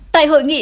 tại hội nghị